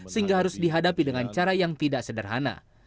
sehingga harus dihadapi dengan cara yang tidak sederhana